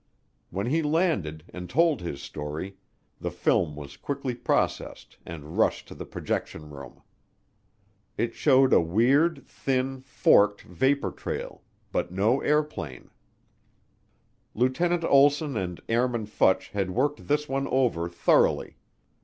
When he landed and told his story, the film was quickly processed and rushed to the projection room. It showed a weird, thin, forked vapor trail but no airplane. Lieutenant Olsson and Airman Futch had worked this one over thoroughly.